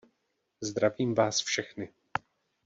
Zdravím vás všechny.